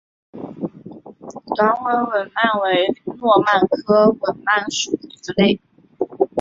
短吻吻鳗为糯鳗科吻鳗属的鱼类。